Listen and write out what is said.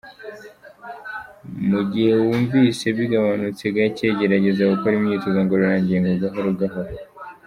Mu gihe wumvise bigabanutse gacye gerageza gukora imyitozo ngororangingo gahoro gahoro.